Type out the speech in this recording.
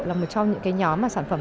là một trong những nhóm sản phẩm